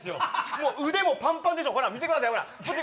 もう腕もパンパンでしょ、ほら、見てください。